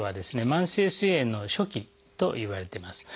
慢性すい炎の初期といわれています。